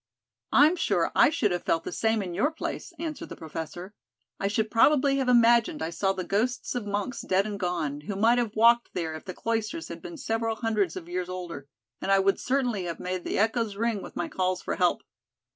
"I'm sure I should have felt the same in your place," answered the professor. "I should probably have imagined I saw the ghosts of monks dead and gone, who might have walked there if the Cloisters had been several hundreds of years older, and I would certainly have made the echoes ring with my calls for help.